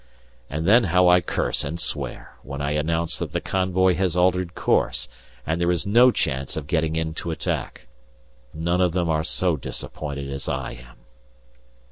And then how I curse and swear when I announce that the convoy has altered course, and there is no chance of getting in to attack. None of them are so disappointed as I am!